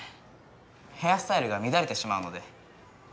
ヘアスタイルが乱れてしまうので。